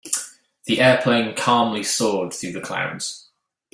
The airplane calmly soared through the clouds.